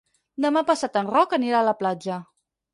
Demà passat en Roc anirà a la platja.